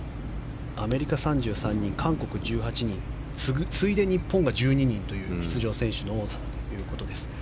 アメリカ３３人、韓国１８人次いで、日本が１２人という出場選手の多さということです。